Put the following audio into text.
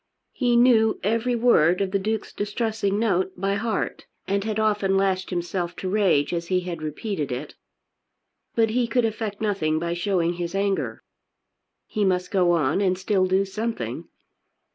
He knew every word of the Duke's distressing note by heart, and had often lashed himself to rage as he had repeated it. But he could effect nothing by showing his anger. He must go on and still do something.